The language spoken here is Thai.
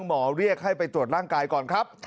หมอเรียกให้ไปตรวจร่างกายก่อนครับ